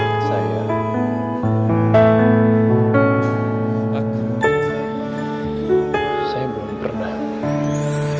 kamu sebagai percuma emas berdiam di sana